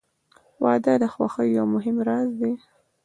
• واده د خوښۍ یو مهم راز دی.